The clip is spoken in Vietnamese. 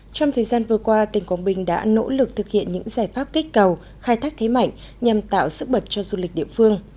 trong thời gian vừa qua tỉnh quảng bình đã nỗ lực thực hiện những giải pháp kích cầu khai thác thế mạnh nhằm tạo sức bật cho du lịch địa phương